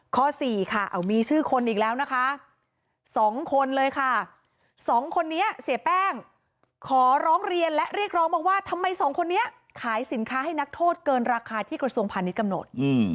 ๔ค่ะมีชื่อคนอีกแล้วนะคะสองคนเลยค่ะสองคนนี้เสียแป้งขอร้องเรียนและเรียกร้องมาว่าทำไมสองคนนี้ขายสินค้าให้นักโทษเกินราคาที่กระทรวงพาณิชย์กำหนด